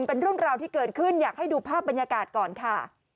เป็นเรื่องราวที่เกิดขึ้นอยากให้ดูภาพบรรยากาศก่อนค่ะ